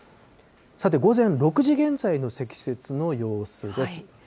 さて、午前６時現在の積雪の様子です。